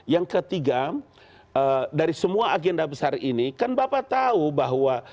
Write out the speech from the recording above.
yang ketiga dari semua agenda besar ini kan bapak tahu bahwa